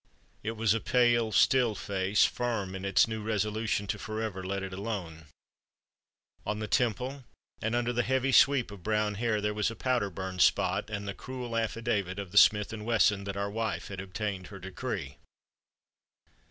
It was a pale, still face, firm in its new resolution to forever "let it alone." On the temple and under the heavy sweep of brown hair there was a powder burned spot and the cruel affidavit of the "Smith & Wesson" that our wife had obtained her decree.